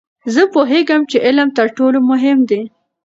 زه پوهیږم چې علم تر ټولو مهم دی.